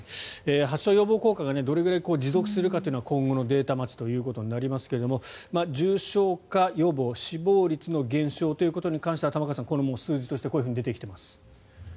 発症予防効果がどれぐらい持続するかというのは今後のデータを待つことになりますが重症化予防、死亡率の減少に関しては玉川さん数字として出てきています。